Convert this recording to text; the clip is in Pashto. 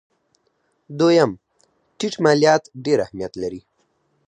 دویم: ټیټ مالیات ډېر اهمیت لري.